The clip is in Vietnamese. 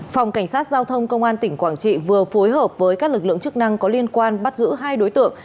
phòng cảnh sát giao thông công an tỉnh quảng trị vừa phối hợp với các lực lượng chức năng có liên quan bắt giữ hai đối tượng